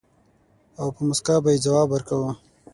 او په مُسکا به يې ځواب ورکاوه.